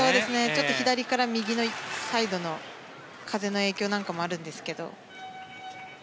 ちょっと左から右のサイドの風の影響なんかもあるんですけど。